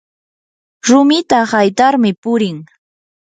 rumita haytarmi purin